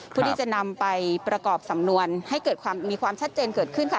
พืชฮีจานำไปประกอบสำนวนให้มีความชัดเจนเกิดขึ้นค่ะ